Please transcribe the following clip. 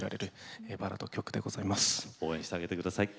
応援してあげてください。